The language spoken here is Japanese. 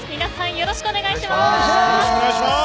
よろしくお願いします。